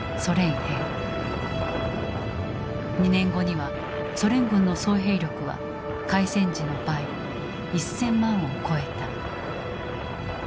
２年後にはソ連軍の総兵力は開戦時の倍１０００万を超えた。